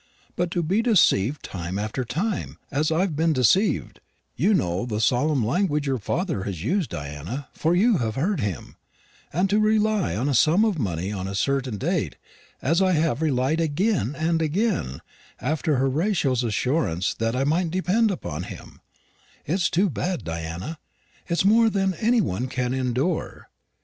But to be deceived time after time, as I've been deceived you know the solemn language your father has used, Diana, for you have heard him and to rely on a sum of money on a certain date, as I have relied again and again, after Horatio's assurance that I might depend upon him it's too bad, Diana; it's more than any one can endure.